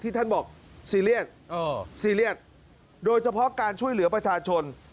ท่านบอกซีเรียสซีเรียสโดยเฉพาะการช่วยเหลือประชาชน